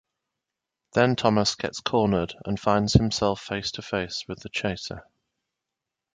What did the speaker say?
Then Thomas gets cornered and finds himself face to face with the chaser.